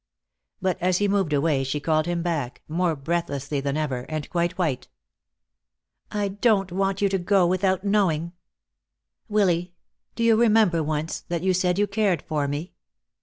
But as he moved away she called him back, more breathlessly than ever, and quite white. "I don't want you to go without knowing Willy, do you remember once that you said you cared for me?"